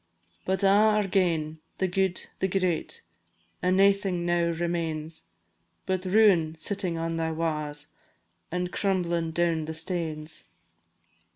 But a' are gane! the guid, the great, And naething now remains, But ruin sittin' on thy wa's, And crumblin' down the stanes.